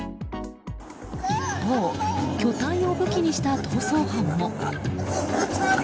一方、巨体を武器にした逃走犯も。